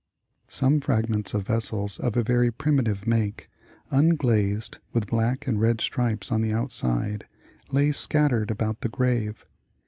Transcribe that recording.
Some fragments of vessels of a very primitive make, unglazed, with black and red stripes on the outside, lay scattered about the grave.